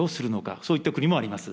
そういった国もあります。